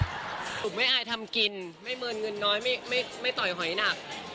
ผมไม่อายทำกินไม่เมินเงินน้อยไม่ต่อยหอยหนัก